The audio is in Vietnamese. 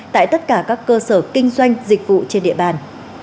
tại tất cả các cơ sở kinh doanh dịch vụ trên địa bàn